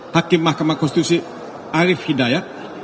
hakim mahkamah konstitusi arief hidayat